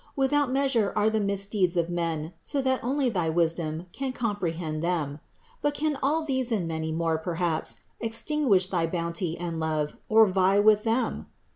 Without measure are the mis deeds of men, so that only thy wisdom can comprehend them. But can all these and many more, perhaps, extin guish thy bounty and love, or vie with them?